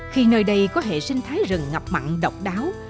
khi nơi đây có hệ sinh thái rừng ngập mặn độc đáo